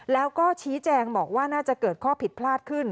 แล้วก็ชี้แจงบอกว่าน่าจะเกิดข้อผิดพลาดขึ้น